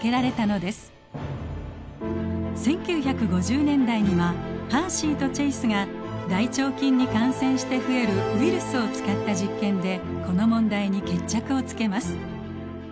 １９５０年代にはハーシーとチェイスが大腸菌に感染して増えるウイルスを使った実験でこの問題に決着をつけます。